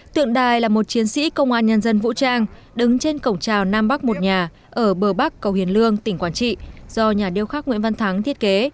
tượng đài là một chiến sĩ công an nhân dân vũ trang đứng trên cổng trào nam bắc một nhà ở bờ bắc cầu hiền lương tỉnh quảng trị do nhà điêu khắc nguyễn văn thắng thiết kế